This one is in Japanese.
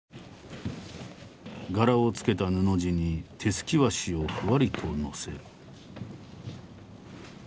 柄をつけた布地に手すき和紙をふわりと載せる。